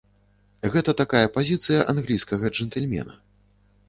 Гэта такая пазіцыя англійскага джэнтльмена.